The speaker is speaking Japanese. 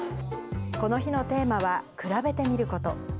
この日のテーマは、比べてみること。